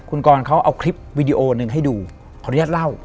คุณกรเขาเอาคลิปวิดีโอหนึ่งให้ดูขออนุญาตเล่า